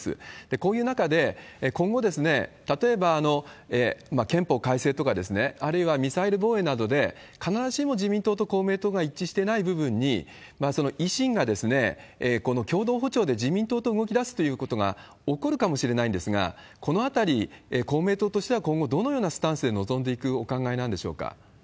こういう中で、今後、例えば憲法改正とか、あるいはミサイル防衛などで、必ずしも自民党と公明党が一致していない部分に、維新が共同歩調で自民党と動き出すということが起こるかもしれないんですが、このあたり、公明党としては今後、どのようなスタンスで臨んでいくお考えなんでしょうか？